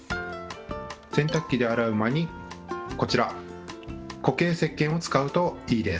洗濯機で洗う前に、こちら、固形せっけんを使うといいです。